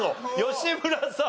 吉村さん。